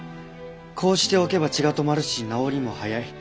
こうしておけば血が止まるし治りも早い。